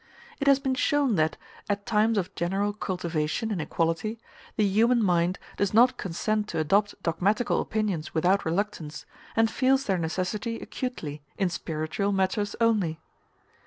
It has been shown that, at times of general cultivation and equality, the human mind does not consent to adopt dogmatical opinions without reluctance, and feels their necessity acutely in spiritual matters only.